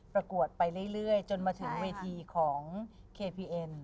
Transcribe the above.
ประกวดไปเรื่อยจนมาถึงเวทีของเคพีเอ็น